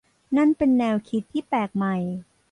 นั่นเป็นแนวคิดที่แปลกใหม่